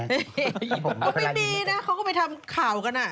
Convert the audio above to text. ไม่มีนะเขาก็ไปทำข่าวกันอ่ะ